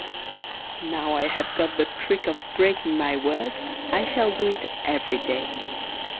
Now I have got the trick of breaking my word, I shall do it every day.